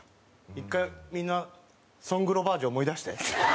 １回みんなソング・ロバージュ思い出して。